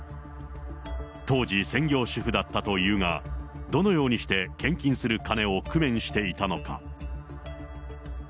当時、専業主婦だったというが、どのようにして献金する金を工面していたのか。